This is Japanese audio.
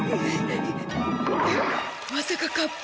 まさかカッパ？